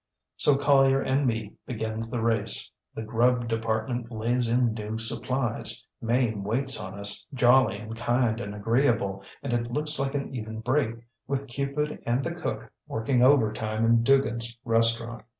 ŌĆÖ ŌĆ£So Collier and me begins the race; the grub department lays in new supplies; Mame waits on us, jolly and kind and agreeable, and it looks like an even break, with Cupid and the cook working overtime in DuganŌĆÖs restaurant.